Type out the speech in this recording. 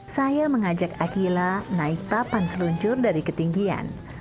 saya mengajak akila naik papan seluncur dari ketinggian